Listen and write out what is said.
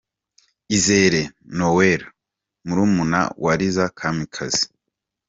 Izere Noella murumuna wa Liza Kamikazi.